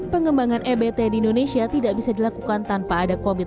pengembangan ebt di indonesia tidak bisa dilakukan tanpa ada komitmen